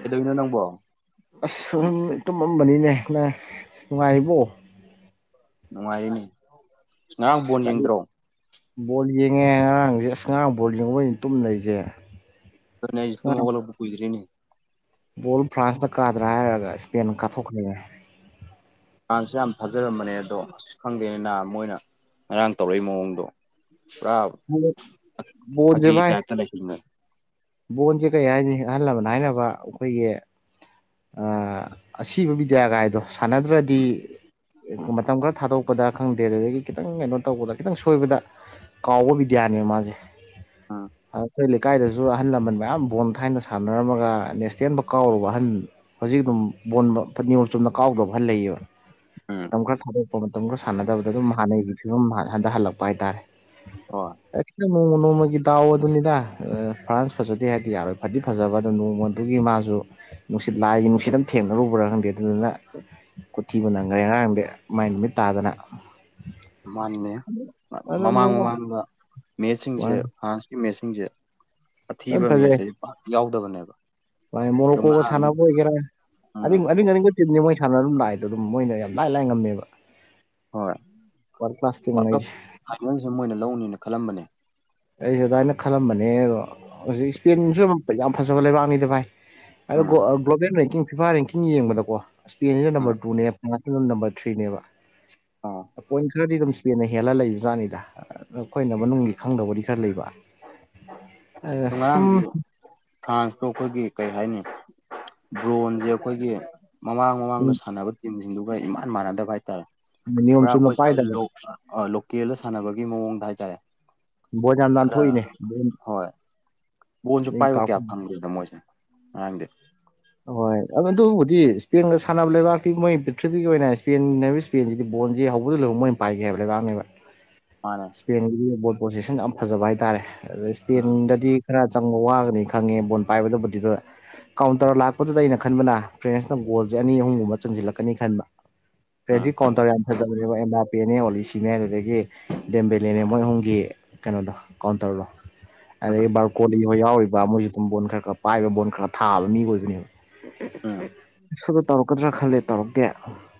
ꯀꯩꯗꯧꯔꯤꯅꯣ ꯅꯪꯕꯣ ꯑꯁ ꯁꯨꯝ ꯇꯨꯝꯃꯝꯕꯅꯤꯅꯦ ꯅ ꯅꯨꯡꯉꯥꯏꯔꯤꯕꯣ ꯅꯨꯡꯉꯥꯏꯔꯤꯅꯤ ꯉꯔꯥꯡ ꯕꯣꯟ ꯌꯦꯡꯗ꯭ꯔꯣ ꯕꯣꯜ ꯌꯦꯡꯉꯦ ꯑꯉꯥꯡꯁꯦ ꯑꯁ ꯉꯔꯥꯡ ꯕꯣꯜ ꯌꯦꯡꯕꯩꯅꯤ ꯇꯨꯝꯅ ꯂꯩꯁꯦ ꯅ ꯑꯩꯁ ꯇꯨꯝ ꯉꯔꯥꯡ ꯍꯧꯒꯠꯂꯛꯄ ꯀꯏ꯭ꯔꯤꯅꯦ ꯕꯣꯜ ꯐ꯭ꯔꯥꯟꯁꯇ ꯀꯥꯗ꯭ꯔꯥ ꯍꯥꯏꯔꯒ ꯏꯁꯄꯦꯟ ꯀꯥꯊꯣꯛꯈ꯭ꯔꯅꯦ ꯥꯟꯁꯨ ꯌꯥꯝ ꯐꯥꯖꯔꯝꯕꯅꯦ ꯑꯗꯣ ꯑꯁ ꯈꯪꯗꯦꯅꯤ ꯅꯍ ꯃꯣꯏꯅ ꯉꯔꯥꯡ ꯇꯧꯔꯛꯏ ꯃꯑꯣꯡꯗꯣ ꯄꯨꯔꯥ ꯐꯥꯒꯤ ꯇꯥꯏꯞꯇ ꯂꯩꯁꯤ ꯕꯣꯟꯁꯦ ꯀꯩ ꯍꯥꯏꯅꯤ ꯑꯍꯜꯂꯕꯅ ꯍꯥꯏꯅꯕ ꯑꯩꯈꯣꯏꯒꯤ ꯑꯁꯤꯕ ꯕꯤꯗ꯭ꯌꯥꯒꯥꯏꯗꯣ ꯁꯥꯟꯅꯗ꯭ꯔꯗꯤ ꯃꯇꯝ ꯈꯔ ꯊꯥꯗꯣꯛꯄꯗ ꯈꯪꯗꯦ ꯑꯗꯨꯗꯒꯤ ꯈꯤꯇꯪ ꯀꯩꯅꯣ ꯇꯧꯕꯗ ꯈꯤꯇꯪ ꯁꯣꯏꯕꯗ ꯀꯥꯎꯕ ꯕꯤꯗ꯭ꯌꯥꯅꯦ ꯃꯥꯁꯦ ꯑꯝ ꯑꯩꯈꯣꯏ ꯂꯩꯀꯥꯏꯗꯁꯨ ꯑꯍꯜ ꯂꯃꯟ ꯃꯌꯥꯝ ꯕꯣꯜ ꯊꯥꯏꯅ ꯁꯥꯟꯅꯔꯝꯃꯒ ꯅꯦꯁꯅꯦꯦꯟꯕꯨ ꯀꯥꯎꯔꯨꯕ ꯑꯍꯟ ꯍꯧꯖꯤꯛ ꯑꯗꯨꯝ ꯕꯣꯟꯕꯧ ꯅꯤꯌꯣꯝ ꯆꯨꯝꯅ ꯀꯥꯎꯗꯕ ꯑꯍꯜ ꯂꯩꯌꯦꯕ ꯎꯝ ꯃꯇꯝ ꯈꯔ ꯊꯥꯗꯣꯛꯄ ꯃꯇꯝ ꯈꯔ ꯁꯥꯟꯅꯗꯕꯗ ꯑꯗꯨꯝ ꯍꯥꯟꯅꯩꯒꯤ ꯐꯤꯕꯝ ꯍꯟꯊꯍꯜꯂꯛꯄ ꯍꯥꯏꯇꯥꯔꯦ ꯑꯣ ꯑꯩ ꯅꯣꯡꯃꯒꯤ ꯗꯥꯎꯑꯗꯨꯅꯤꯗ ꯐꯔꯥꯟꯁ ꯐꯖꯗꯦ ꯍꯥꯏꯗꯤ ꯌꯥꯔꯣꯏ ꯐꯗꯤ ꯐꯖꯕ ꯑ ꯅꯣꯡꯃꯗꯨꯒꯤ ꯃꯥꯁꯨ ꯅꯨꯡꯁꯤꯠ ꯂꯥꯏ ꯅꯨꯡꯁꯤꯠ ꯊꯦꯡꯅꯔꯨꯕ꯭ꯔꯥ ꯈꯪꯗꯦ ꯑꯗꯨꯗꯨꯅ ꯈꯨꯊꯤꯕ ꯅꯪꯈ꯭ꯔꯦ ꯉꯔꯥꯡꯗꯤ ꯃꯥꯏ ꯅꯨꯃꯤꯠ ꯇꯥꯗꯅ ꯃꯥꯅꯦ ꯑꯗꯨ ꯃꯃꯥꯡ ꯅꯣꯡꯃ ꯃꯃꯥꯡꯗ ꯃꯦꯠꯁꯁꯤꯡꯁꯦ ꯃꯥꯅꯤ ꯐ꯭ꯔꯥꯟꯁꯀꯤ ꯃꯦꯠꯁꯁꯤꯡꯁꯦ ꯂꯣꯏ ꯑꯊꯤꯕ ꯃꯦꯠꯁꯁꯦ ꯄꯥꯛ ꯌꯥꯎꯗꯕꯅꯦꯕ ꯃꯥ ꯑꯗꯣ ꯃꯣꯔꯣꯛꯀꯣꯒ ꯉꯔꯥꯡꯗꯤ ꯁꯥꯟꯅꯕ ꯑꯣꯏꯒꯦꯔꯥ ꯑꯗꯨ ꯎꯝ ꯑꯗꯨ ꯑ ꯇꯤꯝꯅꯤ ꯃꯣꯏ ꯁꯥꯟꯅ ꯑꯗꯨ ꯂꯥꯛꯦꯗꯣ ꯑꯗꯨꯝ ꯃꯣꯏꯅ ꯌꯥꯝ ꯂꯥꯏ ꯂꯥꯏꯅ ꯉꯝꯃꯦꯕ ꯍꯣꯏ ꯋꯥꯔꯜ ꯀ꯭ꯂꯥꯁ ꯋꯥꯔ ꯀꯞ ꯇꯤꯝꯉꯩꯁꯦ ꯐꯥꯏꯅꯦꯜꯁꯦ ꯃꯣꯏꯅ ꯂꯧꯅꯦꯅ ꯈꯜꯂꯝꯕꯅꯦ ꯑꯩꯁꯨ ꯑꯗꯨꯃꯥꯏꯅ ꯈꯜꯂꯝꯕꯅꯦ ꯑꯗꯣ ꯍꯧꯖꯤꯛ ꯏꯁꯄꯦꯟꯁꯨ ꯌꯥꯝ ꯐꯖꯕ ꯂꯩꯕꯥꯛꯅꯤꯗ ꯚꯥꯏ ꯑꯗꯣ ꯎꯝ ꯒ꯭ꯂꯣꯕꯦꯜ ꯔꯦꯡꯀꯤꯡ ꯐꯤꯐꯥ ꯔꯦꯡꯀꯤꯡ ꯌꯦꯡꯕꯗꯀꯣ ꯏꯁꯄꯦꯟꯁꯤꯗ ꯎꯝ ꯅꯝꯕꯔ ꯇꯨꯅꯦꯕ ꯉꯨꯝ ꯅꯝꯕꯔ ꯊ꯭ꯔꯤꯅꯦꯕ ꯑꯣ ꯄꯣꯏꯟ ꯈꯔꯗꯤ ꯑꯗꯨꯝ ꯏꯁꯄꯦꯟꯅ ꯍꯦꯜꯂ ꯂꯩꯕꯖꯥꯠꯅꯤꯗ ꯑꯩꯈꯣꯏꯅ ꯃꯅꯨꯡꯒꯤ ꯈꯪꯗꯕꯗꯤ ꯈꯔ ꯂꯩꯕ ꯁꯨꯝ ꯉꯥꯔꯥꯡꯗꯤ ꯐ꯭ꯔꯥꯟꯁꯇꯣ ꯑꯩꯈꯣꯏꯒꯤ ꯀꯩ ꯍꯥꯏꯅꯤ ꯕ꯭ꯔꯣꯟꯁꯦ ꯑꯩꯈꯣꯏꯒꯤ ꯃꯃꯥꯡ ꯃꯃꯥꯡꯗ ꯁꯥꯟꯅꯕ ꯇꯤꯝꯁꯤꯡꯗꯨ ꯄꯨꯔ ꯏꯃꯥꯟ ꯃꯥꯟꯅꯗꯕ ꯍꯥꯏꯇꯥꯔꯦ ꯅꯤꯌꯣꯝ ꯄꯨꯔꯥ ꯆꯨꯝꯅ ꯑꯩꯈꯣꯏ ꯁ꯭ꯋꯥꯏ ꯄꯥꯏꯗꯕ ꯂꯣꯛ ꯂꯣꯀꯦꯜꯗ ꯁꯥꯟꯅꯕꯒꯤ ꯃꯑꯣꯡꯗ ꯍꯥꯏꯇꯥꯔꯦ ꯕꯣꯜ ꯌꯥꯝ ꯈꯔ ꯅꯥꯟꯊꯣꯛꯏꯅꯦ ꯍꯣꯏ ꯕꯣꯟꯁꯨ ꯄꯥꯏꯕ ꯀꯥꯎ ꯀꯌꯥ ꯐꯪꯗ꯭ꯦꯗ ꯃꯣꯏꯁꯦ ꯉꯔꯥꯡꯗꯤ ꯑꯍꯣꯏ ꯑꯗꯨ ꯑꯗꯨꯕꯨꯗꯤ ꯏꯁꯄꯦꯟꯒ ꯁꯥꯟꯅꯕ ꯂꯩꯕꯥꯛꯇꯤ ꯃꯣꯏ ꯄ꯭ꯔꯤꯊꯤꯕꯤꯒꯤ ꯑꯣꯏꯅ ꯏꯁꯄꯦꯟ ꯏꯁꯄꯦꯟꯁꯤꯗꯤ ꯕꯣꯟꯁꯤ ꯍꯧꯕꯗꯩ ꯃꯣꯏꯅ ꯄꯥꯏꯒꯦ ꯍꯥꯏꯕ ꯂꯩꯕꯥꯛꯅꯦꯕ ꯃꯥꯅꯦ ꯁ꯭ꯄꯦꯟꯒꯤꯗꯤ ꯕꯣꯜ ꯄꯣꯖꯤꯁꯟ ꯌꯥꯝ ꯐꯖꯕ ꯍꯥꯏꯇꯥꯔꯦ ꯑꯗ ꯎꯝ ꯁ꯭ꯄꯦꯟꯗꯗꯤ ꯈꯔ ꯆꯪꯕ ꯋꯥꯒꯅꯤ ꯈꯪꯉꯦ ꯕꯣꯟ ꯄꯥꯏꯕꯗꯕꯨꯗꯤ ꯀꯥꯎꯟꯇꯔ ꯂꯥꯛꯄꯗꯨꯗ ꯑꯩꯅ ꯈꯟꯕꯅ ꯐ꯭ꯔꯦꯟꯁꯅ ꯒꯣꯜꯁꯦ ꯑꯅꯤ ꯑꯍꯨꯝꯒꯨꯝꯕ ꯆꯟꯁꯤꯜꯂꯛꯀꯅꯤ ꯈꯟꯕ ꯎꯝ ꯐ꯭ꯔꯦꯟꯖꯤ ꯀꯥꯎꯟꯇꯔ ꯌꯥꯝ ꯐꯖꯕꯅꯦꯕ ꯑꯦꯝꯕꯥ ꯄꯦꯅꯦ ꯑꯣꯂꯤꯁꯤꯅꯦ ꯑꯗꯨꯗꯒꯤ ꯗꯦꯝꯕꯦꯂꯅꯦ ꯃꯣꯏ ꯑꯍꯨꯝꯒꯤ ꯀꯩꯅꯣꯗꯣ ꯀꯥꯎꯟꯇꯔꯗꯣ ꯎꯝ ꯑꯗꯒꯤ ꯕꯥꯔꯀꯣꯂꯤ ꯍꯣꯏ ꯌꯥꯎꯔꯤꯕ ꯃꯣꯏꯁꯨ ꯑꯗꯨꯝ ꯕꯣꯟ ꯈꯔ ꯈꯔ ꯄꯥꯏꯕ ꯕꯣꯟ ꯈꯔ ꯊꯥꯕ ꯃꯤ ꯑꯣꯏꯕꯅꯦꯕ ꯑꯥ ꯑꯣꯂꯤꯁꯦꯁꯨ ꯇꯧꯔꯛꯀꯗ꯭ꯔꯥ ꯈꯜꯂꯦ ꯇꯧꯔꯛꯇꯦ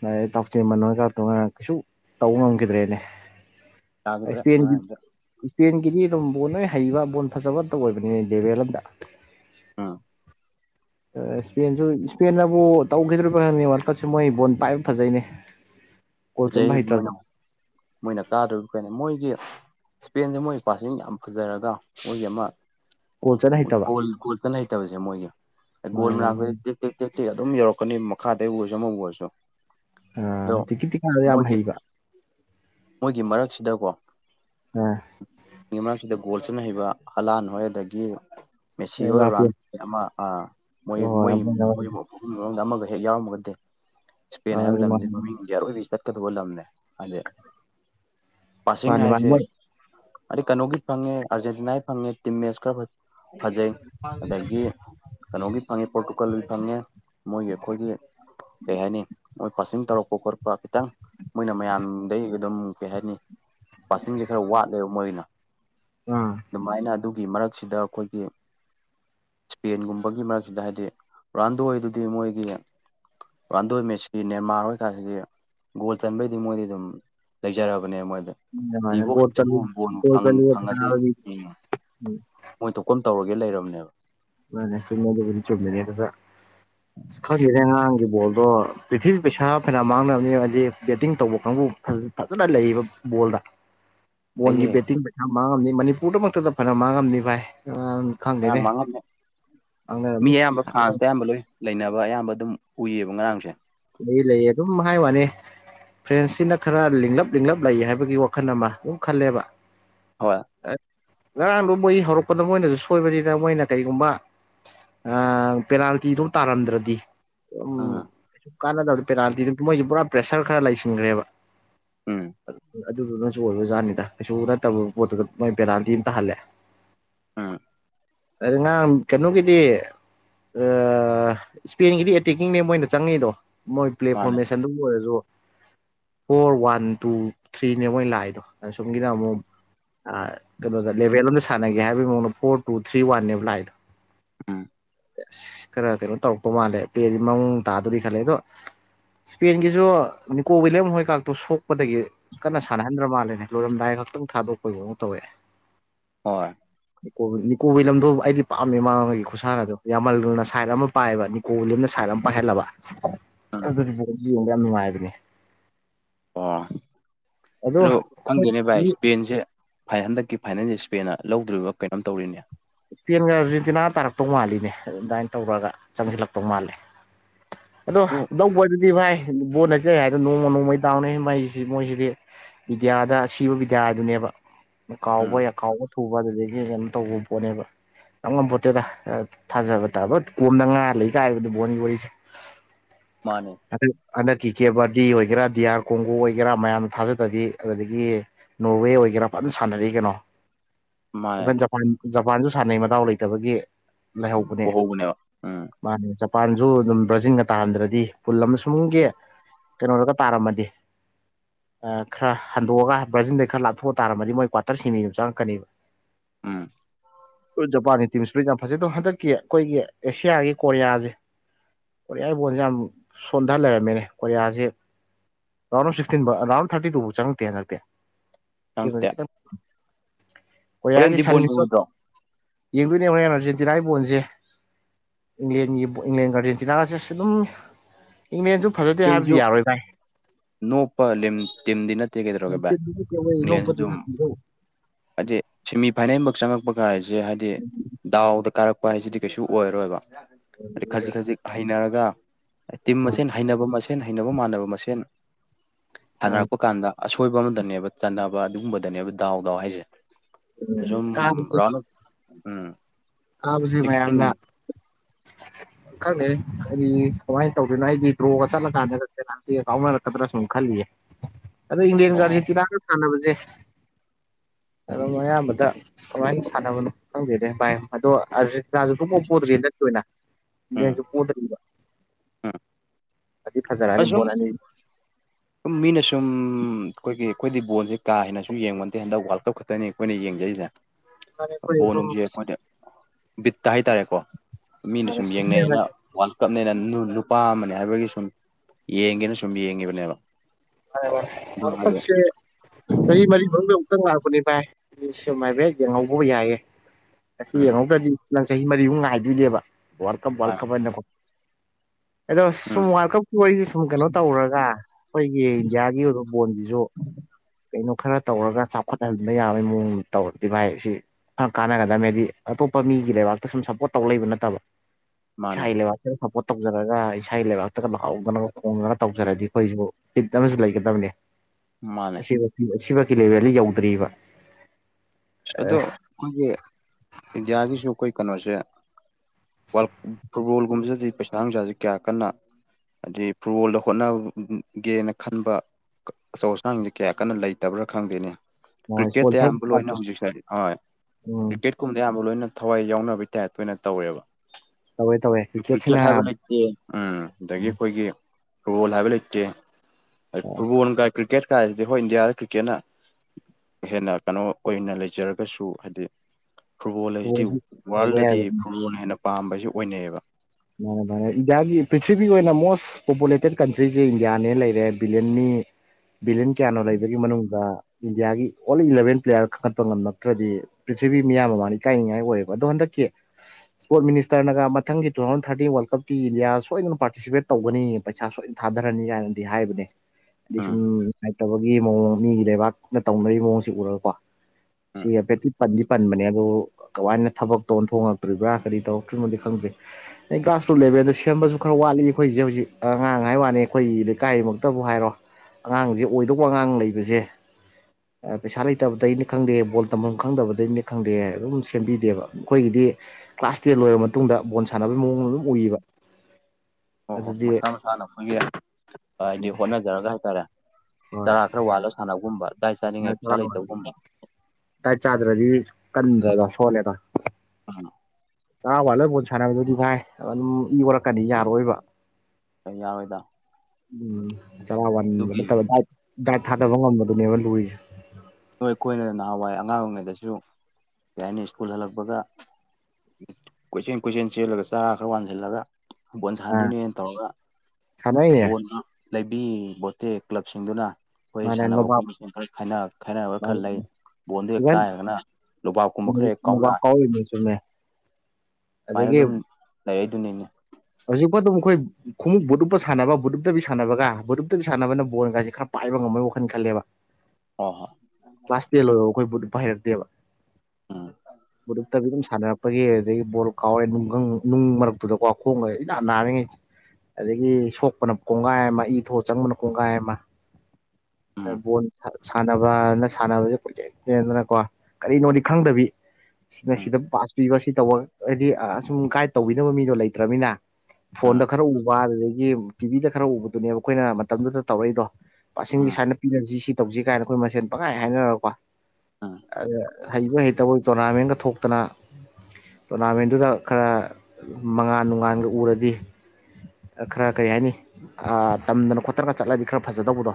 ꯑ ꯇꯥꯎꯆꯦꯃꯤꯅꯤ ꯀꯩꯁꯨ ꯇꯧꯕ ꯉꯝꯈꯤꯗ꯭ꯔꯦꯅꯦ ꯌꯥꯒꯤꯗ꯭ꯔꯦ ꯏꯁꯄꯦꯟꯒꯤ ꯉꯔꯥꯡꯗꯤ ꯏꯁꯄꯦꯟꯒꯤꯗꯤ ꯑꯗꯨꯝ ꯕꯣꯜ ꯂꯣꯏ ꯍꯩꯕ ꯕꯣꯜ ꯐꯖꯕ ꯑꯝꯇ ꯑꯣꯏꯕꯅꯤꯅꯦ ꯂꯦꯕꯦꯜ ꯑꯝꯗ ꯑꯥ ꯏꯁꯄꯦꯟꯁꯨ ꯏꯁꯄꯦꯟꯅꯕꯨ ꯇꯧꯈꯤꯗꯣꯔꯤꯕ ꯈꯛꯅꯤ ꯋꯥꯔꯜ ꯀꯞꯁꯨ ꯃꯣꯏ ꯕꯣꯜ ꯄꯥꯏꯕ ꯐꯖꯩꯅꯦ [inaudible] ꯒꯣꯜ ꯆꯟꯕ ꯃꯣꯏꯅ ꯍꯩꯇꯔꯥ ꯃꯣꯏꯅ ꯀꯥꯗꯣꯔꯤꯕ ꯀꯩꯅꯣ ꯃꯣꯏꯒꯤ ꯏꯁꯄꯦꯟꯁꯦ ꯃꯣꯏ ꯄꯥꯁꯁꯤꯡ ꯌꯥꯝ ꯐꯖꯔꯒ ꯃꯣꯏꯒꯤ ꯑꯃ ꯒꯣꯜ ꯆꯟ ꯍꯩꯇꯕ ꯒꯣꯜ ꯒꯣꯜ ꯆꯟꯕ ꯍꯩꯇꯕꯁꯦ ꯃꯣꯏꯒꯤ ꯒꯣꯜ ꯃꯥꯅꯤ ꯃꯥꯅꯤ ꯃꯅꯥꯛꯇ ꯇꯤꯛ ꯇꯦꯛ ꯇꯤ ꯑꯗꯨꯝ ꯌꯧꯔꯛꯀꯅꯤ ꯃꯈꯥꯗ ꯎ ꯑꯣꯏꯔꯁꯨ ꯑꯃꯨꯛ ꯎ ꯑꯣꯏꯔꯁꯨ ꯑ ꯑꯗꯣ ꯇꯤꯀꯤ ꯇꯤꯀꯥꯗ ꯌꯥꯝ ꯃꯣꯏꯒꯤ ꯍꯩꯕ ꯃꯣꯏꯒꯤ ꯃꯔꯛꯁꯤꯗꯀꯣ ꯑꯥ ꯃꯔꯛꯁꯤꯗ ꯒꯣꯜ ꯆꯟꯕ ꯍꯩꯕ ꯍꯂꯥꯟ ꯍꯣꯏ ꯑꯗꯒꯤ ꯃꯦꯁꯤ ꯍꯣꯏ ꯑꯦꯝꯕꯥꯄꯦ ꯔꯣꯅꯥꯜꯗꯣ ꯑꯃ ꯃꯣꯏ ꯍꯣꯏ ꯃꯣꯏ ꯍꯣꯏ ꯃꯣꯏꯕꯨ ꯃꯣꯟꯗ ꯑꯃꯒ ꯍꯦꯛ ꯌꯥꯎꯔꯝꯃꯒꯗꯤ ꯏꯁꯄꯦꯟ ꯍꯥꯏꯕ ꯑꯥ ꯂꯝꯁꯦ ꯃꯃꯤꯡ ꯏꯌꯥꯔ ꯑꯣꯏꯕꯤ ꯆꯠꯀꯗꯧꯕ ꯂꯝꯅꯦ ꯍꯥꯏꯗꯤ ꯄꯥꯁꯁꯤꯡ ꯃꯥꯅꯤ ꯃꯥꯅꯤ ꯍꯥꯏꯁꯦ ꯃꯣꯏ ꯑꯗꯩ ꯀꯩꯅꯣꯒꯤ ꯐꯪꯉꯤ ꯑꯥꯔꯖꯦꯟꯇꯤꯅꯥꯏ ꯐꯪꯉꯦ ꯇꯤꯝ ꯃꯦꯠꯆ ꯈꯔ ꯐ ꯐꯖꯩ ꯑꯗꯒꯤ ꯀꯩꯅꯣꯒꯤ ꯐꯪꯉꯦ ꯄꯣꯔꯇꯨꯒꯜꯒꯤ ꯐꯪꯉꯦ ꯃꯣꯏꯒꯤ ꯑꯩꯈꯣꯏꯒꯤ ꯀꯩ ꯍꯥꯏꯅꯤ ꯃꯣꯏ ꯐꯥꯁꯤꯡ ꯇꯧꯔꯛꯄ ꯈꯣꯠꯛꯄ ꯈꯤꯇꯪ ꯃꯣꯏꯅ ꯃꯌꯥꯝ ꯆꯩ ꯑꯗꯨꯝ ꯀꯩ ꯍꯥꯏꯅꯤ ꯄꯥꯔꯁꯁꯦ ꯈꯔ ꯋꯥꯠꯂꯦꯕ ꯃꯣꯏꯅ ꯑꯥ ꯑꯗꯨꯃꯥꯏꯅ ꯑꯗꯨꯒꯤ ꯃꯔꯛꯁꯤꯗ ꯑꯩꯈꯣꯏꯒꯤ ꯏꯁꯄꯦꯟꯒꯨꯝꯕꯒꯤ ꯃꯔꯛꯁꯤꯗ ꯍꯥꯏꯗꯤ ꯔꯔꯥꯟꯗꯣꯏꯗꯨꯗꯤ ꯃꯣꯏꯒꯤ ꯔꯟꯗꯣ ꯃꯦꯁꯤ ꯅꯦꯟꯃꯥꯔ ꯑꯣꯏ ꯀꯥꯟꯁꯤꯗꯤ ꯒꯣꯜ ꯆꯟꯕꯩꯗꯤ ꯃꯣꯏꯗꯤ ꯑꯗꯨꯝ ꯂꯩꯖꯑꯔꯕꯅꯦ ꯃꯣꯏꯗ ꯃꯥꯅꯦ ꯃꯥꯅꯦ ꯒꯣꯜ ꯗꯤꯕꯣꯛꯁꯇꯕꯨ ꯆꯜꯂꯨ ꯕꯣꯟ ꯒꯣꯜ ꯆꯜꯂꯨꯕ ꯐꯪꯉꯗꯦ ꯊꯥꯅꯕꯒꯤ ꯌꯦ ꯎꯝ ꯃꯣꯏꯊꯣꯛꯀꯟ ꯇꯧꯔꯒꯦ ꯂꯩꯔꯕꯅꯦꯕ ꯃꯥꯅꯦ ꯆꯨꯝꯃꯗꯕꯨ ꯆꯨꯝꯃꯤꯅꯤ ꯀ ꯎꯝ ꯑꯁ ꯈꯪꯗꯔꯦ ꯉꯔꯥꯡꯒꯤ ꯕꯣꯜꯗꯣ ꯄ꯭ꯔꯤꯊꯤꯕꯤ ꯄꯩꯁꯥ ꯐꯅ ꯃꯥꯡꯅꯕꯅꯤ ꯍꯥꯏꯗꯤ ꯕꯦꯇꯤꯡ ꯇꯧꯕ ꯀꯥꯡꯕꯨ ꯐꯖ ꯐꯖꯅ ꯂꯩꯌꯦꯕ ꯕꯣꯜꯗ [inaudible] ꯕꯣꯜꯒꯤ ꯕꯦꯇꯤꯡ ꯄꯩꯁꯥ ꯃꯥꯡꯉꯝꯅꯤ ꯃꯅꯤꯄꯨꯔꯗꯃꯛꯇꯗ ꯐꯅ ꯃꯥꯡꯉꯝꯅꯤ ꯚꯥꯏ ꯉꯔꯥꯡ ꯈꯪꯗꯦꯅꯦ ꯃꯥꯡꯉꯝꯅꯤ ꯉꯥꯡꯅꯔꯝꯅꯤ ꯑꯌꯥꯝꯕ ꯐ꯭ꯔꯥꯟꯁꯇ ꯑꯌꯥꯝꯕ ꯂꯣꯏ ꯂꯩꯅꯕ ꯑꯌꯥꯝꯕ ꯑꯗꯨꯝ ꯎꯏꯌꯦꯕ ꯉꯔꯥꯡꯁꯦ ꯂꯩ ꯂꯩꯌꯦ ꯑꯗꯨꯝ ꯍꯥꯏ ꯋꯥꯅꯦ ꯐ꯭ꯔꯦꯟꯁꯁꯤꯅ ꯈꯔ ꯂꯤꯡꯂꯞ ꯂꯤꯡꯂꯞ ꯂꯩ ꯍꯥꯏꯕꯒꯤ ꯋꯥꯈꯜ ꯑꯃ ꯑꯗꯨꯝ ꯈꯜꯂꯦꯕ ꯍꯣꯏ ꯑ ꯉꯔꯥꯡꯗꯨ ꯃꯣꯏ ꯍꯧꯔꯛꯄꯗ ꯃꯣꯏꯅꯁꯨ ꯁꯣꯏꯕꯅꯤꯗ ꯃꯣꯏꯅ ꯀꯔꯤꯒꯨꯝꯕ ꯑ ꯄꯦꯅꯥꯜꯇꯤ ꯑꯗꯨꯝ ꯇꯥꯔꯝꯗ꯭ꯔꯗꯤ ꯎꯝ ꯁ ꯀꯥꯟꯅꯗꯕꯗ ꯄꯦꯅꯥꯜꯇꯤꯗꯨ ꯃꯣꯏꯁꯦ ꯄꯨꯔꯥ ꯄ꯭ꯔꯦꯁꯔ ꯈꯔ ꯂꯩꯁꯤꯟꯈ꯭ꯔꯦꯕ ꯎꯝ ꯑꯗꯨꯗꯨꯅꯁꯨ ꯑꯣꯏꯕꯖꯠꯅꯤꯗ ꯀꯩꯁꯨ ꯅꯠꯇꯕ ꯄꯣꯠꯇꯨꯗ ꯃꯣꯏ ꯄꯦꯅꯥꯜꯇꯤ ꯑꯃꯝ ꯇꯥꯍꯜꯂꯦ ꯎꯝ ꯑ ꯉꯥꯡ ꯀꯩꯅꯣꯒꯤꯗꯤ ꯏꯁꯄꯦꯟꯒꯤꯗꯤ ꯑꯦꯇꯦꯛꯀꯤꯡꯅꯦ ꯃꯣꯏꯅ ꯆꯪꯉꯤꯗꯣ ꯃꯣꯏ ꯄ꯭ꯂꯦ ꯃꯥꯅꯦ ꯐꯣꯔꯃꯦꯁꯟꯗꯨꯝ ꯑꯣꯏꯔꯁꯨ ꯐꯣꯔ ꯋꯥꯟ ꯇꯨ ꯊ꯭ꯔꯤꯅꯦ ꯃꯣꯏ ꯂꯥꯛꯑꯏꯗꯣ ꯑ ꯁꯣꯝꯒꯤꯅ ꯑꯃꯨꯛ ꯀꯩꯅꯣꯗ ꯂꯦꯚꯦꯜ ꯑꯃꯝꯗ ꯁꯥꯟꯅꯒꯦ ꯍꯥꯏꯕꯒꯤ ꯃꯑꯣꯡꯗ ꯐꯣꯔ ꯇꯨ ꯊ꯭ꯔꯤ ꯋꯥꯟꯅꯦꯕ ꯂꯥꯏꯗ ꯎꯝ ꯑꯁ ꯈꯔ ꯀꯩꯅꯣ ꯇꯧꯔꯛꯄ ꯃꯥꯜꯂꯦ ꯄꯦꯗꯤ ꯃꯑꯣꯡ ꯇꯥꯗꯣꯔꯤ ꯈꯜꯂꯦ ꯑꯗꯣ ꯏꯁꯄꯦꯟꯒꯤꯁꯨ ꯅꯤꯀꯣ ꯋꯤꯂꯤꯌꯝ ꯍꯣꯏꯀꯇꯨ ꯁꯣꯛꯄꯗꯒꯤ ꯀꯟꯅ ꯁꯥꯟꯅꯍꯟꯗ꯭ꯔ ꯃꯥꯜꯂꯦꯅꯦ ꯂꯣꯏꯔꯝꯗꯥꯏ ꯈꯛꯇꯪ ꯊꯥꯗꯣꯛꯄꯒꯤ ꯑꯃ ꯇꯧꯋꯦ ꯍꯣꯏ ꯀꯣ ꯅꯤꯀꯣꯋꯤꯂꯝꯗꯣ ꯑꯩꯗꯤ ꯄꯥꯝꯃꯦ ꯃꯃꯥꯡꯉꯒꯤ ꯈꯨꯁꯥꯅ ꯑꯗꯨꯣ ꯌꯥꯝꯃꯜꯨꯅ ꯁꯥꯏꯠ ꯑꯃ ꯄꯥꯏꯑꯕ ꯅꯤꯀꯣꯋꯝꯅ ꯁꯥꯏꯠ ꯑꯃ ꯄꯥꯏꯍꯜꯂꯕ ꯎꯝ ꯑꯗꯨꯗꯤ ꯌꯦꯡꯕ ꯌꯥꯝ ꯅꯨꯡꯉꯥꯏꯕꯅꯦ ꯑꯣ ꯑꯗꯣ ꯑꯗꯨꯣ ꯑꯩꯈꯣꯏ ꯈꯪꯗꯦꯅꯦ ꯚꯥꯏ ꯏꯁꯄꯦꯟꯁꯦ ꯍꯥꯏ ꯍꯟꯗꯛꯀꯤ ꯐꯥꯏꯅꯜꯁ ꯏꯁꯄꯦꯅ ꯂꯧꯗꯣꯔꯤꯕ ꯀꯩꯅꯣꯝ ꯇꯧꯔꯤꯅꯦ ꯫ ꯏꯁꯄꯦꯟꯒ ꯑꯔꯖꯦꯟꯇꯤꯅꯥ ꯇꯥꯔꯛꯇꯧ ꯃꯥꯜꯂꯤꯅꯦ ꯑꯗꯨꯃꯥꯏꯅ ꯇꯧꯔꯒ ꯆꯪꯁꯤꯜꯂꯛꯇꯧ ꯃꯥꯜꯂꯦ ꯫ ꯑꯗꯣ ꯑꯗꯨ ꯂꯧꯕꯗꯨꯗꯤ ꯚꯥꯏ ꯕꯣꯠꯁꯤꯗꯤ ꯐꯤꯖꯩ ꯍꯥꯏꯁꯨ ꯃꯣꯏꯁꯤꯗꯤ ꯅꯣꯡꯃ ꯅꯣꯡꯃꯩ ꯗꯥꯎꯅꯩ ꯃꯩ ꯍꯥꯏꯁꯤ ꯃꯣꯏꯁꯤꯗꯤ ꯕꯤꯗ꯭ꯌꯥꯗ ꯑꯁꯤꯕ ꯕꯤꯗ꯭ꯌꯥꯗꯨꯅꯦꯕ꯫ ꯀꯥꯎꯕ ꯎꯝ ꯀꯥꯎꯕ ꯊꯨꯕ ꯑꯗꯨꯗꯒꯤ ꯀꯩꯅꯣ ꯇꯧꯕ ꯄꯣꯠꯅꯦꯕ ꯇꯝꯉꯝꯄꯣꯠꯇꯦꯗ ꯊꯥꯖꯗꯕ ꯀꯣꯝꯗ ꯉꯥ ꯂꯩ ꯀꯥꯏ ꯗꯨꯅꯦ ꯕꯣꯟꯒꯤ ꯋꯥꯔꯤꯁꯦ ꯫ ꯃꯥꯅꯦ ꯍꯟꯗꯛ ꯍꯟꯗꯛꯀꯤ ꯀꯦꯕꯔꯗꯤ ꯑꯣꯏꯒꯦꯔꯥ ꯗꯤꯌꯥꯔ ꯀꯣꯡꯒꯨ ꯑꯣꯏꯒꯦꯔꯥ ꯃꯌꯥꯝꯅ ꯊꯥꯖꯗꯕꯤ ꯑꯗꯨꯗꯒꯤ ꯅꯣꯔꯋꯦ ꯑꯣꯏꯒꯦꯔꯥ ꯐꯖꯅ ꯁꯥꯟꯅꯔꯤ ꯀꯩꯅꯣ ꯃꯥꯅꯦ ꯏꯚꯟ ꯖꯄꯥꯟ ꯖꯄꯥꯟꯁꯨ ꯁꯥꯟꯅꯩ ꯃꯗꯥꯎ ꯂꯩꯇꯕꯒꯤ ꯂꯩꯍꯧꯕꯅꯦ ꯍꯧꯕꯅꯦꯕ ꯎꯝ ꯃꯥꯅꯦ ꯖꯄꯥꯟꯁꯨ ꯑꯗꯨꯝ ꯕ꯭ꯔꯥꯖꯤꯟꯒ ꯇꯥꯍꯟꯗ꯭ꯔꯗꯤ ꯐꯨꯜ ꯑꯃꯁꯨ [unintelligible] ꯀꯩꯅꯣꯗꯒ ꯇꯥꯔꯝꯃꯗꯤ ꯈꯔ ꯍꯟꯗꯣꯛꯑꯒ ꯕ꯭ꯔꯥꯖꯤꯟꯗ ꯈꯔ ꯂꯥꯞꯊꯣꯛꯄ ꯇꯥꯔꯃꯗꯤ ꯃꯣꯏ ꯀ꯭ꯋꯥꯇꯔ ꯁꯤꯃꯤꯗ ꯆꯪꯉꯛꯀꯅꯦꯕ ꯎꯝ ꯖꯄꯥꯟꯒꯤ ꯇꯤꯝ ꯏꯁꯄ꯭ꯔꯤꯠ ꯌꯥꯝ ꯐꯖꯦꯗꯣ ꯍꯟꯗꯛꯀꯤ ꯑꯩꯈꯣꯏꯒꯤ ꯑꯦꯁꯤꯌꯥꯒꯤ ꯀꯣꯔꯤꯌꯥꯁꯦ ꯀꯣꯔꯤꯌꯥꯒꯤ ꯕꯣꯟꯁꯦ ꯌꯥꯝ ꯁꯣꯟꯊ ꯂꯩꯔꯝꯃꯦꯅꯦ ꯀꯣꯔꯤꯌꯥꯁꯤꯦ ꯔꯣꯅꯥꯜꯗꯣ ꯁꯤꯛꯁꯇꯤꯟ ꯔꯣꯅꯥꯜꯗꯣ ꯊꯥꯔꯇꯤ ꯇꯨꯐꯥꯎ ꯆꯪꯉꯛꯇꯦ ꯍꯟꯗꯛꯇꯤ ꯈꯪꯇꯦ ꯁꯤꯕꯗꯤ ꯈꯤꯇꯪ ꯀꯣꯔꯤꯌꯥꯒꯤ ꯍꯣꯔꯦꯟꯗꯤ ꯕꯣꯜ ꯁꯟꯣꯠ ꯌꯦꯡꯉꯣꯏꯗ꯭ꯔꯣ ꯌꯦꯡꯗꯣꯏꯅꯦ ꯃꯣꯔꯌꯥꯝꯅꯖꯦꯟꯇꯤꯔꯥꯒꯤ ꯕꯣꯟꯁꯦ ꯏꯪꯂꯦꯟꯒꯤ ꯏꯪꯂꯦꯟ ꯑꯥꯔꯖꯦꯟꯇꯤꯅꯥꯁꯦ ꯑꯗꯨꯝ ꯏꯪꯂꯦꯟꯁꯨ ꯐꯖꯗꯦ ꯏꯪꯂꯦꯟꯁꯨ ꯍꯥꯏꯕꯗꯤ ꯌꯥꯔꯣꯏꯗ꯫ ꯅꯣꯞꯄ ꯇꯤꯝꯗꯤ ꯅꯠꯇꯦ ꯀꯩꯗꯧꯔꯒꯦ ꯚꯥꯏ ꯏꯪꯂꯦꯟꯁꯨ ꯅꯣꯞꯄꯗꯤ ꯑꯗꯨꯝ ꯅꯠꯇꯦ ꯑꯗꯣ ꯫ ꯍꯥꯏꯗꯤ ꯁꯦꯃꯤꯐꯥꯏꯅꯦꯜ ꯃꯛ ꯆꯪꯉꯛꯄꯒ ꯍꯥꯏꯁꯦ ꯍꯥꯏꯗꯤ ꯗꯥꯎꯗ ꯀꯥꯔꯛꯄ ꯍꯥꯏꯁꯤꯗꯤ ꯀꯩꯁꯨ ꯑꯣꯏꯔꯣꯏꯕ ꯍꯥꯏ ꯈꯖꯤꯛ ꯈꯖꯤꯛ ꯍꯩꯅꯔꯒ ꯇꯤꯝ ꯃꯁꯦꯟ ꯫ ꯃꯁꯦꯟ ꯍꯩꯅꯕ ꯃꯥꯟꯅꯕ ꯃꯁꯦꯟ ꯁꯥꯟꯅꯔꯛꯄ ꯀꯥꯟꯗ ꯑꯁꯣꯏꯕ ꯑꯃꯗꯅꯦꯕ ꯆꯥꯟꯅꯕ ꯑꯗꯨꯒꯨꯝꯕꯗꯅꯦꯕ ꯗꯥꯎ ꯗꯥꯎ ꯍꯥꯏꯁꯦ ꯑꯁꯨꯝ ꯔꯣꯟ ꯎꯝ ꯀꯥꯕꯁꯦ ꯐꯤꯐꯇꯤꯟ ꯃꯌꯥꯝꯅ ꯈꯪꯗꯦꯅꯦ ꯍꯥꯏꯗꯤ ꯀꯃꯥꯏꯅ ꯇꯧꯗꯅꯣ ꯑꯩꯗꯤ꯫ ꯇ꯭ꯔꯣꯒ ꯆꯠꯂ ꯀꯥꯟꯗꯇꯒ ꯀꯥꯎꯅꯔꯛꯀꯗ꯭ꯔꯥ ꯁꯨꯝ ꯈꯜꯂꯤꯌꯦ ꯑꯗ ꯏꯟꯗꯤꯌꯥꯟ ꯑꯣ ꯒꯥꯔꯗꯁꯦꯤ ꯑꯅꯕꯖꯦ ꯑꯗꯣ ꯑꯌꯥꯝꯕꯗ ꯑ ꯀꯃꯥꯏꯅ ꯁꯥꯟꯅꯕꯅꯣ ꯈꯪꯕꯤꯔꯦ ꯚꯥꯏ ꯑꯗꯣ ꯑꯔꯖꯦꯟꯇꯤꯅꯥꯁꯨ ꯁꯨꯡꯄꯥꯎ ꯄꯣꯗ꯭ꯔꯤ ꯍꯟꯗꯛꯀꯤ ꯑꯣꯏꯅ ꯏꯦꯟꯁꯨ ꯄꯣꯗ꯭ꯔꯤꯕ ꯑꯥ ꯐꯗꯤ ꯐꯖꯥꯔꯛꯑꯅꯤ ꯕꯣꯜ ꯑꯅꯤ ꯨꯝ ꯃꯤꯅ ꯁꯨꯝ ꯑꯩꯈꯣꯏꯒꯤ ꯑꯩꯈꯣꯏꯗꯤ ꯕꯣꯣꯟꯁꯦ ꯀꯥ ꯍꯦꯟꯅꯁꯨ ꯌꯦꯡꯉꯣꯟꯗꯦ ꯍꯟꯗꯛ ꯋꯥꯜꯛꯇꯧ ꯈꯛꯇꯅꯤ ꯑꯩꯈꯣꯏꯅ ꯌꯦꯡꯖꯔꯤꯁꯦ ꯃꯥꯅꯦ ꯑꯩꯈꯣꯏ ꯑꯗꯨꯝ ꯕꯣꯅꯨꯡꯁꯦ ꯑꯩꯈꯣꯏꯅ ꯕꯤꯠꯇ ꯍꯥꯏꯇꯥꯔꯦꯀꯣ ꯃꯤꯅ ꯁꯨꯝ ꯌꯦꯡꯅꯩꯌꯦꯅ ꯋꯥꯔꯜ ꯀꯞꯅꯦꯅ ꯅꯨꯄꯥ ꯑꯃꯅꯦ ꯍꯥꯏꯕꯒꯤ ꯁꯨꯝ ꯌꯦꯡꯒꯦꯅ ꯁꯨꯝ ꯌꯦꯡꯉꯤꯕꯅꯦꯕ ꯍ ꯑꯗꯨ ꯃꯔꯔ ꯍꯥꯏꯗꯤ ꯐꯁꯦ ꯆꯍꯤ ꯃꯔꯤ ꯃꯅꯨꯡꯗ ꯑꯃꯨꯛꯇꯪ ꯂꯥꯛꯄꯅꯦ ꯚꯥꯏ ꯁꯨꯝ ꯍꯥꯏꯐꯦꯠ ꯌꯦꯡꯍꯧꯕ ꯌꯥꯏꯌꯦ꯫ ꯑꯁꯤ ꯎꯝ ꯌꯦꯡꯉꯧꯗ꯭ꯔꯗꯤ ꯅꯪ ꯆꯍꯤ ꯃꯔꯤꯃꯨꯛ ꯉꯥꯏꯗꯣꯏꯅꯦꯕ ꯫ ꯋꯥꯔꯜ ꯀꯞ ꯋꯥꯔꯜ ꯀꯞ ꯍꯥꯏꯗ ꯑꯗꯣ ꯁꯨꯝ ꯎꯝ ꯋꯥꯔꯜ ꯀꯞꯀꯤ ꯋꯥꯔꯤꯁꯦ ꯁꯨꯝ ꯀꯩꯅꯣ ꯇꯧꯔꯒ ꯑꯩꯒꯤ ꯏꯟꯗꯤꯌꯥꯒꯤ ꯑꯣꯏꯕ ꯕꯣꯟꯁꯤꯁꯨ ꯀꯩꯅꯣ ꯈꯔ ꯇꯧꯔꯒ ꯆꯥꯎꯈꯠꯍꯟꯕ ꯌꯥꯕꯒꯤ ꯃꯑꯣꯡꯗ ꯇꯧꯔꯗꯤ ꯚꯥꯏ ꯁꯤ ꯈꯔ ꯀꯥꯟꯅꯒꯗꯕꯅꯦꯗꯤ ꯑꯇꯣꯞꯄ ꯃꯤꯒꯤ ꯂꯩꯕꯥꯛꯇ ꯁꯨꯝ ꯁꯞꯄꯣꯔꯠ ꯇꯧ ꯂꯩꯕ ꯅꯠꯇꯕ ꯃꯥꯅꯦ ꯏꯁꯥꯒꯤ ꯂꯩꯕꯥꯛ ꯈꯤꯇꯪ ꯁꯞꯄꯣꯔꯠ ꯇꯧꯖꯔꯒ ꯏꯁꯥꯒꯤ ꯂꯩꯕꯥꯛꯇꯒ ꯂꯥꯎꯗꯅꯒ ꯈꯣꯡꯗꯅ ꯇꯧꯖꯔꯗꯤ ꯑꯩꯈꯣꯏꯁꯨ ꯫ ꯁꯤꯇꯃꯤꯁꯨ ꯂꯩꯈꯤꯗꯕꯅꯦ ꯃꯥ ꯑꯁꯤꯕꯀꯤ ꯂꯦꯚꯦꯜꯗ ꯌꯧꯗ꯭ꯔꯤꯕ ꯑꯗꯣ ꯑꯩꯈꯣꯏꯒꯤ ꯏꯟꯗꯤꯌꯥꯒꯤꯁꯨ ꯑꯩꯈꯣꯏ ꯀꯩꯅꯣꯁꯦ ꯋꯥꯔꯜ ꯐꯨꯠꯕꯣꯜꯒꯨꯝꯕꯁꯤꯗꯗꯤ ꯄꯩꯁꯥ ꯅꯨꯡꯁꯥꯁꯤ ꯀꯌꯥ ꯀꯟꯅ ꯍꯥꯏꯗꯤ ꯐꯨꯠꯕꯣꯜꯗ ꯍꯣꯠꯅꯒꯦꯅ ꯈꯟꯕ ꯑꯆꯧ ꯑꯁꯥꯡꯁꯦ ꯀꯌꯥ ꯀꯟꯅ ꯂꯩꯇꯕ꯭ꯔꯥ ꯈꯪꯗꯦꯅꯦ ꯀ꯭ꯔꯤꯛꯀꯦꯠꯇ ꯏꯁꯄꯣꯟꯁꯔ ꯑꯌꯥꯝꯕ ꯂꯣꯏꯅ ꯍꯧꯖꯤꯛꯁꯦ ꯫ ꯍꯣꯏ ꯎꯝ ꯀ꯭ꯔꯤꯛꯀꯦꯠ ꯀꯨꯝꯕꯗ ꯑꯌꯥꯝꯕ ꯂꯣꯏꯅ ꯊꯋꯥꯏ ꯌꯥꯎꯅꯕꯒꯤ ꯇꯥꯏꯞꯇ ꯑꯣꯏꯅ ꯇꯧꯋꯦꯕ ꯇꯧꯋꯦ ꯇꯧꯋꯦ ꯀ꯭ꯀꯦꯠ ꯀ꯭ꯔꯤꯛꯀꯦꯠꯁꯤꯅ ꯍꯥꯏꯕ ꯎꯝ ꯑꯗꯒꯤ ꯑꯩꯈꯣꯏꯒꯤ ꯐꯨꯠꯕꯣꯜ ꯍꯥꯏꯕ ꯂꯩꯇꯦ ꯐꯨꯠꯕꯣꯜ ꯀ꯭ꯔꯤꯛꯀꯦꯠ ꯀꯥꯏꯁꯤꯗꯤ ꯈꯣꯏ ꯏꯟꯗꯤꯌꯥꯗ ꯀ꯭ꯔꯤꯀꯦꯠꯅ ꯍꯦꯟꯅ ꯀꯩꯅꯣ ꯑꯣꯏꯅ ꯂꯩ꯫ ꯂꯩꯖꯔꯒꯁꯨ ꯍꯥꯏꯗꯤ ꯐꯨꯠꯕꯣꯜ ꯍꯥꯏꯁꯤꯗꯤ ꯐꯨꯠꯕꯣꯜꯁꯤ ꯇꯧꯕ ꯋꯥꯔꯜꯗꯗꯤ ꯌꯥꯏꯕ ꯐꯨꯠꯕꯣꯜꯅ ꯍꯦꯟꯅ ꯄꯥꯝꯕꯁꯨ ꯑꯣꯏꯅꯩꯑꯦꯕ ꯃꯥꯅꯦ ꯃꯥꯅꯦ ꯏꯟꯗꯤꯌꯥꯒꯤ ꯄ꯭ꯔꯤꯊꯤꯕꯤꯒꯤ ꯑꯣꯏꯅ ꯃꯣꯁ ꯄꯣꯄꯨꯂꯦꯇꯦꯠ ꯀꯟꯇ꯭ꯔꯤꯁꯦ ꯏꯟꯗꯤꯌꯥꯅꯦꯅ ꯂꯩꯔꯦ ꯕꯤꯂꯤꯌꯟꯅꯤ [inaudible] ꯕꯤꯂꯤꯌꯟ ꯀꯌꯥꯅꯣ ꯂꯩꯕꯒꯤ ꯃꯅꯨꯡꯗ ꯏꯟꯗꯤꯌꯥꯒꯤ ꯑꯣꯟ ꯏꯂꯕꯦꯟ ꯄ꯭ꯂꯦꯌꯥꯔ ꯈꯪꯒꯠꯄ ꯉꯝꯂꯛꯇ꯭ꯔꯗꯤ ꯄ꯭ꯔꯤꯊꯤꯕꯤ ꯃꯤꯌꯥꯝ ꯃꯃꯥꯡꯗ ꯏꯀꯥꯏꯅꯤꯡꯉꯥꯏ ꯑꯣꯏꯌꯦꯕ ꯑꯗꯣ ꯍꯟꯗꯛꯀꯤ ꯏꯁꯄꯣꯔꯠ ꯃꯤꯅꯤꯁꯇꯔꯅꯒ ꯃꯊꯪꯒꯤ ꯇꯨ ꯊꯥꯎꯖꯟ ꯊꯥꯔꯇꯤꯟ ꯋꯥꯔꯜ ꯀꯞꯀꯤ ꯏꯟꯗꯤꯌꯥ ꯁꯣꯏꯗꯅ ꯄꯥꯔꯇꯤꯁꯤꯄꯦꯠ ꯇꯧꯒꯅꯤ ꯄꯩꯁꯥ ꯁꯣꯏꯅ ꯊꯥꯗꯔꯅꯤ ꯀꯥꯏꯅꯗꯤ ꯍꯥꯏꯕꯅꯦ ꯑꯩ ꯁꯨꯝ ꯎꯝ ꯅꯨꯡꯉꯥꯏꯇꯕꯒꯤ ꯃꯑꯣꯡ ꯃꯤꯒꯤ ꯂꯩꯕꯥꯛꯅ ꯇꯧꯅꯕꯒꯤ ꯃꯑꯣꯡꯁꯤ ꯎꯔꯒꯀꯣ ꯎꯝ [unintelligible] ꯄꯟꯗꯤ ꯄꯟꯕꯅꯦ ꯑꯗꯨ ꯀꯃꯥꯏꯅ ꯊꯕꯛꯇ ꯑꯣꯟꯊꯣꯡꯉꯛꯇꯣꯔꯤꯕ꯭ꯔꯥ ꯀꯔꯤ ꯇꯧꯔꯛꯇ꯭ꯔꯤꯃꯗꯤ ꯈꯪꯗꯦ ꯑꯩ ꯀ꯭ꯂꯒꯥꯁꯔꯨꯠ ꯂꯦꯚꯦꯜꯗ ꯁꯦꯝꯕꯁꯨ ꯈꯔ ꯋꯥꯠꯂꯤ ꯑꯩꯈꯣꯏꯁꯦ ꯍꯧꯖꯤꯛ ꯑꯉꯥꯡ ꯍꯥꯏ ꯋꯥꯅꯤ ꯑꯩꯈꯣꯏ ꯂꯩꯀꯥꯏꯃꯛꯇꯕꯨ ꯍꯥꯏꯔꯣ ꯑꯉꯥꯡꯁꯦ ꯑꯣꯏꯗꯧꯕ ꯑꯉꯥꯡ ꯂꯩꯕꯁꯦ ꯄꯩꯁꯥ ꯂꯩꯇꯕꯗꯩꯅꯤ ꯈꯪꯗꯦ ꯕꯣꯜ ꯇꯝꯐꯝ ꯈꯪꯗꯕꯗꯩꯅꯤ ꯈꯪꯗꯦ ꯑꯗꯨꯝ ꯁꯦꯝꯕꯤꯗꯦꯕ ꯑꯩꯈꯣꯏꯒꯤꯗꯤ ꯀ꯭ꯂꯥꯁ ꯇꯦꯟ ꯂꯣꯏꯔꯕ ꯃꯇꯨꯡꯗ ꯕꯣꯜ ꯁꯥꯟꯅꯕꯒꯤ ꯃꯑꯣꯡ ꯑꯗꯨꯝ ꯎꯈꯤꯕ ꯑꯣꯣꯏ ꯍꯣ ꯃꯁꯥ ꯃꯁꯥꯅ ꯑꯩꯈꯣꯏꯒꯤ ꯍꯥꯏꯗꯤ ꯍꯣꯠꯅꯖꯔꯒ ꯍꯥꯏꯇꯥꯔꯦ ꯍꯣꯏ ꯇꯔꯥ ꯈꯔ ꯋꯥꯠꯂ ꯁꯥꯟꯅꯕꯒꯨꯝꯕ ꯗꯥꯏ ꯆꯥꯅꯤꯡꯉꯥꯏ ꯄꯩꯁꯥ ꯂꯩꯇꯕꯒꯨꯝꯕ ꯗꯥꯏꯠ ꯆꯥꯗ꯭ꯔꯗꯤ ꯀꯟꯗ꯭ꯔꯗ ꯁꯣꯜꯂꯦꯗ ꯑ ꯆꯥꯔ ꯋꯥꯜꯂ ꯕꯣꯜ ꯁꯥꯟꯅꯕꯗꯨꯗꯤ ꯚꯥꯏ ꯑꯗꯨꯝ ꯏ ꯑꯣꯏꯔꯛꯀꯅꯤ ꯌꯥꯔꯣꯏꯕ ꯫ ꯌꯥꯔꯣꯏꯗ ꯎꯝ ꯆꯔꯥ ꯋꯥꯟꯕ ꯑꯗꯨꯒꯤ ꯅꯠꯇꯕ ꯗꯥꯏꯠ ꯊꯥꯗꯕ ꯉꯝꯕꯗꯨꯅꯦꯕ ꯂꯨꯔꯤꯁꯦ ꯅꯣꯏ ꯀꯣꯏꯅ ꯅꯍꯥꯟꯋꯥꯏ ꯑꯉꯥꯡ ꯑꯣꯏꯔꯤꯉꯩꯗꯁꯨ ꯀꯩ ꯍꯥꯏꯅꯤ ꯁ꯭ꯀꯨꯜ ꯍꯜꯂꯛꯄꯒ ꯀꯣꯏꯁꯦꯟ ꯀꯣꯏꯆꯦꯟ ꯆꯦꯜꯂꯒ ꯆꯔꯥ ꯈꯔ ꯋꯥꯟꯁꯤꯜꯂꯒ ꯕꯣꯜ ꯑꯥ ꯁꯥꯟꯍꯗꯣꯏꯅꯦꯅ ꯇꯧꯔꯒ ꯁꯥꯟꯅꯩꯅꯦ ꯕ ꯂꯩꯕꯤ ꯄꯣꯠꯇꯦ ꯀ꯭ꯂꯕꯁꯤꯡꯗꯨꯅ ꯑꯩꯈꯣꯏ ꯃꯥꯅꯦ ꯁꯥꯟꯅꯕ ꯅꯣꯕꯥꯞ ꯑꯩꯈꯣꯏ ꯃꯁꯦꯟ ꯈꯔ ꯈꯥꯏꯅ ꯈ ꯃꯥꯅꯦ ꯈꯔ ꯂꯩ ꯕꯣꯟꯗ ꯍꯦꯛ ꯏꯚꯟ ꯀꯥꯏꯔꯒꯅ ꯂꯣꯕꯥꯞ ꯀꯨꯝꯕ ꯈꯔ ꯍꯦꯛ ꯀꯥꯎꯅ [unintelligible] ꯆꯨꯝꯃꯦ ꯁꯨꯃꯥꯏꯅ ꯑꯗꯨꯝ ꯂꯩꯔꯗꯨꯅꯤꯅꯦ ꯫ ꯍꯧꯖꯤꯛꯐꯥꯎ ꯑꯗꯨꯝ ꯑꯩꯈꯣꯏ ꯈꯣꯡꯎꯞ ꯕꯨꯣꯠꯨꯞꯄ ꯁꯥꯟꯅꯕ ꯕꯨꯠꯨꯞꯇꯕꯤ ꯁꯥꯟꯅꯕꯒ ꯕꯨꯗꯨꯨꯞꯇꯕꯤ ꯁꯥꯟꯅꯕꯅ ꯕꯣꯟꯜꯒꯁꯦ ꯈꯔ ꯄꯥꯏꯕ ꯉꯝꯃꯣꯏ ꯋꯥꯈꯜ ꯈꯜꯂꯦꯕ ꯍ ꯍꯣ ꯀ꯭ꯂꯥꯁ ꯇꯦꯟ ꯂꯣꯏꯔ ꯑꯩꯈꯣꯏ ꯕꯨꯄ ꯍꯩꯔꯛꯇꯦꯕ ꯎꯝ ꯕꯨꯛꯇꯕꯤ ꯑꯗꯨꯝ ꯁꯥꯟꯅꯔꯛꯄ ꯀꯄꯒꯤ ꯑꯗꯒꯤ ꯕꯣꯜ ꯀꯥꯎꯔꯦ ꯅꯨꯡꯪ ꯅꯨꯡ ꯃꯔꯛꯇꯨꯗꯀꯣ ꯈꯣꯡꯉꯦ ꯏ ꯅꯥꯔꯤꯉꯩ ꯑꯗꯒꯤ ꯁꯣꯛꯄꯅ ꯀꯣꯡꯒꯥꯏ ꯑꯃ ꯏ ꯊꯣꯛꯑ ꯆꯪꯕꯅ ꯀꯣꯡꯒꯥꯏ ꯑꯃ ꯎꯝ ꯕꯣꯜ ꯁꯥꯅ ꯁꯥꯟꯅꯕꯅ ꯁꯥꯟꯅꯕꯁꯦ ꯄꯨꯆꯦꯟ ꯆꯦꯟꯗꯅꯀꯣ ꯀꯔꯤꯅꯣꯗꯤ ꯈꯪꯗꯕꯤ ꯁꯤꯅ ꯎꯝ ꯁꯤꯗ ꯄꯥꯁ ꯄꯤꯕ ꯁꯤ ꯇꯧꯕ ꯍꯥꯏꯗꯤ ꯑꯁꯨꯝ ꯒꯥꯏꯠ ꯇꯧꯕꯤꯅꯕ ꯃꯤꯗꯣ ꯂꯩꯇ꯭ꯔꯅꯤꯅ ꯐꯣꯟꯗ ꯎꯝ ꯈꯔ ꯎꯕ ꯑꯗꯨꯗꯒꯤ ꯇꯤꯚꯤꯗ ꯈꯔ ꯎꯕꯗꯨꯅꯦꯕ ꯑꯩꯈꯣꯏꯅ ꯃꯇꯝꯗꯨꯗ ꯇꯧꯔꯛꯏꯗꯣ ꯁꯤꯡꯁ ꯎꯝ ꯁꯨꯃꯥꯏꯅ ꯄꯤꯅꯁꯤ ꯁꯤ ꯇꯧꯁꯤ ꯀꯥꯏꯅ ꯑꯩꯈꯣꯏ ꯃꯁꯦꯟ ꯄꯈꯥꯏ ꯍꯥꯏꯅꯔꯒꯀꯣ ꯎꯝ ꯑꯗ ꯍꯩꯕ ꯍꯩꯇꯕꯣꯏ ꯇꯣꯔꯅꯥꯃꯦꯟꯒ ꯊꯣꯛꯇꯅ ꯇꯣꯔꯅꯥꯃꯦꯟꯗꯨꯗ ꯈꯔ ꯃꯉꯥꯟꯜ ꯅꯨꯡꯉꯥꯟꯒ ꯎꯔꯗꯤ ꯈꯔ ꯀꯔꯤ ꯍꯥꯏꯅꯤ ꯇꯝꯗꯅ ꯈꯣꯠꯇꯅꯒ ꯆꯠꯂꯗꯤ ꯈꯔ ꯐꯖꯗꯧꯕꯗꯣ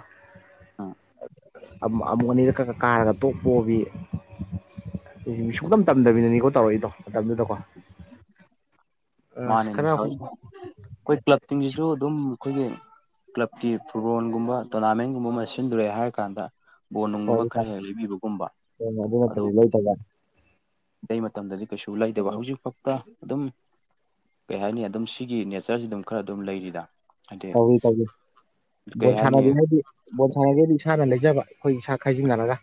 ꯎꯝ ꯫ ꯑꯃꯨꯛ ꯑꯅꯤꯗ ꯀꯥꯔꯒ ꯇꯣꯛꯄꯣꯕꯤ ꯑꯩ ꯃꯤ ꯁꯨꯡꯅꯝ ꯇꯝꯗꯕꯤꯅꯅꯤꯀꯣ ꯇꯧꯔꯛꯏꯗꯣ ꯃꯇꯝꯗꯨꯗꯀꯣ ꯑꯁ ꯃꯥꯅꯦꯅꯦ ꯈꯔ ꯍꯣꯏ ꯑꯩꯈꯣꯏ ꯀ꯭ꯂꯕꯁꯤꯡꯁꯤꯁꯨ ꯑꯗꯨꯝ ꯑꯩꯈꯣꯏꯒꯤ ꯀ꯭ꯂꯕꯀꯤ ꯐꯨꯠꯕꯣꯜꯒꯨꯝꯕ ꯇꯣꯔꯅꯥꯃꯦꯟꯒꯨꯝꯕ ꯑꯃ ꯁꯤꯟꯗꯣꯔꯛꯑꯦ ꯍꯥꯏꯔ ꯀꯥꯟꯗ ꯕꯣꯅꯨꯡꯒꯨꯝꯕ ꯈꯔ ꯍꯦꯛ ꯂꯩꯕꯤꯕꯒꯨꯝꯕ ꯑꯗꯨ ꯅꯠꯇꯗꯤ ꯂꯣꯏ ꯇꯧꯕ ꯑꯇꯩ ꯃꯇꯝꯗꯗꯤ ꯀꯩꯁꯨ ꯂꯩꯇꯕ ꯍꯧꯖꯤꯛ ꯐꯥꯎꯗ ꯑꯗꯨꯝ ꯀꯩ ꯍꯥꯏꯅꯤ ꯑꯗꯨꯝ ꯁꯤꯒꯤ ꯅꯦꯆꯔꯁꯤ ꯑꯗꯨꯝ ꯈꯔ ꯑꯗꯨꯝ ꯂꯩꯔꯤꯗ ꯍꯥꯏꯗꯤ ꯇꯧꯏ ꯇꯧꯏ ꯀꯩ ꯣꯁꯅ ꯍꯥꯏꯅꯤ ꯍꯥꯏꯗꯤ ꯕꯣꯠ ꯊꯥꯔꯒꯗꯤ ꯏꯁꯥꯅ ꯂꯩꯖꯕ ꯑꯩꯈꯣꯏ ꯏꯁꯥ ꯈꯥꯏꯖꯤꯟꯅꯔꯒ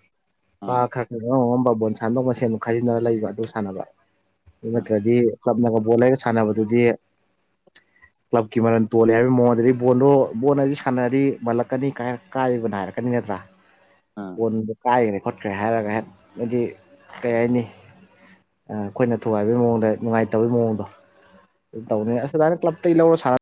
ꯄ ꯎꯝ ꯈꯔ ꯈꯔ ꯑꯉꯝ ꯑꯉꯝꯕ ꯕꯣꯣꯟ ꯁꯥꯟꯗꯧ ꯃ ꯁꯦꯝꯦꯟ ꯈꯥꯏꯖꯤꯟꯅꯔꯒ ꯂꯩꯕ ꯑꯗꯨ ꯁꯥꯟꯅꯕ ꯎꯝ ꯏꯗꯤ ꯀ꯭ꯂꯕꯅꯒ ꯕꯣꯜ ꯂꯩꯔꯒ ꯁꯥꯟꯅꯕꯗꯨꯗꯤ ꯀ꯭ꯂꯕꯀꯤ ꯃꯔꯜ ꯇꯣꯜꯂꯦ ꯍꯥꯏꯕꯒꯤ ꯃꯑꯣ ꯑꯗꯨꯗꯒꯤ ꯕꯣꯟꯗꯣ ꯕꯣꯜ ꯑꯁꯤꯗꯤ ꯁꯥꯟꯅꯔꯗꯤ ꯃꯥꯜꯂꯛꯀꯅꯤ ꯀꯥꯏꯕꯅꯅꯥ ꯍꯥꯏꯔꯛꯀꯅꯤ ꯅꯠꯇ꯭ꯔꯥ ꯎꯝ ꯀꯣꯟꯗ ꯀꯥꯏꯈ꯭ꯔꯦ ꯈꯣꯠꯈ꯭ꯔꯦ ꯍꯥꯏꯔꯒ ꯍꯦꯛꯅꯗꯤ ꯀꯩ ꯍꯥꯏꯅꯤ ꯑꯩꯈꯣꯏꯅ ꯊꯨꯒꯥꯏꯕꯒꯤ ꯃꯑꯣꯡꯗ ꯅꯨꯡꯉꯥꯏꯇꯕꯩ ꯃꯑꯣꯡꯗꯣ ꯇꯧꯅꯦ ꯑꯗꯥꯅ ꯀ꯭ꯂꯞꯇ ꯂꯧꯔ